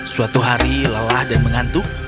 suatu hari lelah dan mengantuk